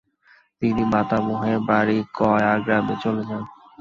তিনি মাতামহের বাড়ি কয়াগ্রামে চলে যান।